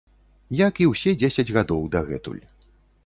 Як і ўсе дзесяць гадоў дагэтуль.